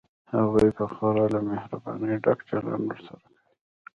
هغوی به خورا له مهربانۍ ډک چلند ورسره کوي.